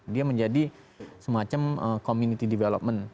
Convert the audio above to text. dia menjadi semacam community development leader kan